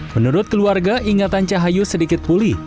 menurut keluarga ingatan cahayu sedikit pulih